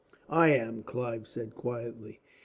"I am," Clive said quietly.